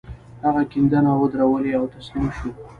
هغه کيندنې ودرولې او تسليم شو.